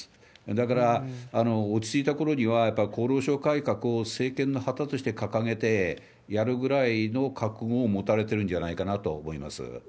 だから、落ち着いたころには、やっぱり厚労省改革を政権の旗として掲げてやるぐらいの覚悟を持たれてるんじゃないかなとは思います。